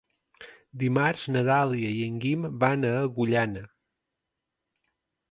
Dimarts na Dàlia i en Guim van a Agullana.